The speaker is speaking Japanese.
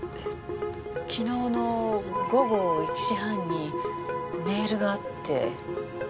昨日の午後１時半にメールがあって。